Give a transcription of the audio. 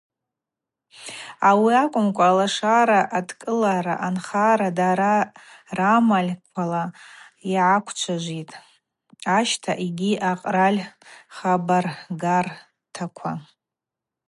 Ауи акӏвымкӏва, Алашара адкӏылара анхара дара рамальквала йгӏаквчважвитӏ ашта йгьи акъраль хабарргартаква.